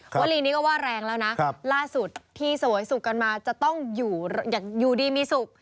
วลีนี้ก็ว่าแรงแล้วนะล่าสุดที่เสวยสุขกันมาจะต้องอยู่ดีมีสุข